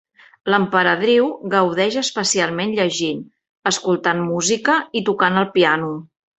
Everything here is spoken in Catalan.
L'emperadriu gaudeix especialment llegint, escoltant música i tocant el piano.